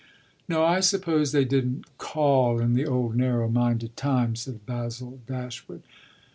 "No, I suppose they didn't 'call' in the old narrow minded time," said Basil Dashwood.